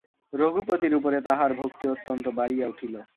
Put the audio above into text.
রঘুপতির উপরে তাঁহার ভক্তি অত্যন্ত বাড়িয়া উঠিল।